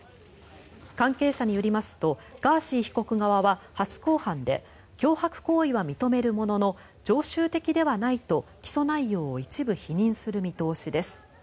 関係者によりますとガーシー被告側は、初公判で脅迫行為は認めるものの常習的ではないと起訴内容を一部否認する見通しです。